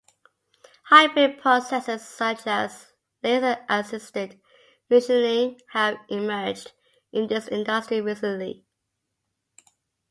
Hybrid processes such as laser-assisted machining have emerged in this industry recently.